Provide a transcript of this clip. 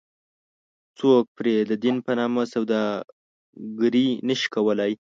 څوک پرې ددین په نامه سوداګري نه شي کولی.